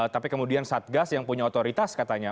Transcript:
tapi kemudian satgas yang punya otoritas katanya